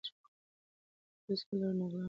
که پولیس ولرو نو غلا نه کیږي.